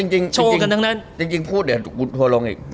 เฮ้ยจริงจริงพูดเดี๋ยวผมโทรลงอีก